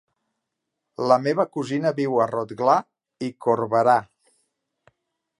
La meva cosina viu a Rotglà i Corberà.